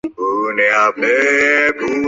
黄道周墓的历史年代为清。